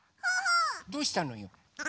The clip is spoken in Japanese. どうしたのよ？え？